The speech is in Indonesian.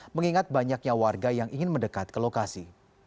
mengingat banyaknya warga yang ingin mendekat ke lokasi